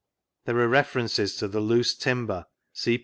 There are references to the loose timber (see (^.